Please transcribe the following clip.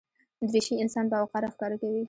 دریشي انسان باوقاره ښکاره کوي.